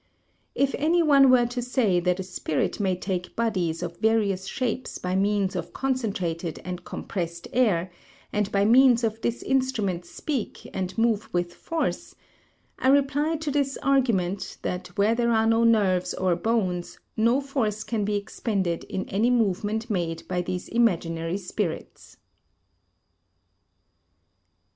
If any one were to say that a spirit may take bodies of various shapes by means of concentrated and compressed air, and by means of this instrument speak and move with force I reply to this argument that where there are no nerves or bones, no force can be expended in any movement made by these imaginary spirits.